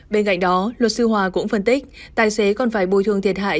bên cạnh đó luật sư hòa cũng phân tích tài xế còn phải bồi thường thiệt hại